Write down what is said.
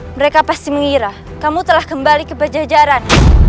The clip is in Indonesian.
mereka pasti mengira kamu telah kembali ke pejajaran